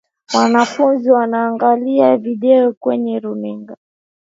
Mwanafunzi anaangali video kwenye runinga.